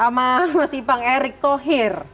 sama mas ipang erick thohir